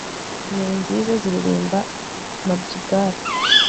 inyoni nziza ziririmba madrigals